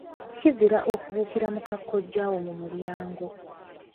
Kizira okubuukira muka kkojjaawo mu mulyango.